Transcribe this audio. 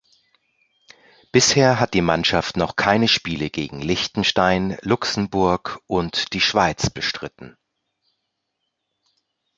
Bisher hat die Mannschaft noch keine Spiele gegen Liechtenstein, Luxemburg und die Schweiz bestritten.